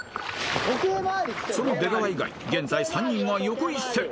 ［その出川以外現在３人が横一線］